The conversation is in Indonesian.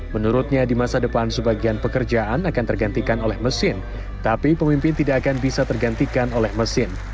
menurutnya di masa depan sebagian pekerjaan akan tergantikan oleh mesin tapi pemimpin tidak akan bisa tergantikan oleh mesin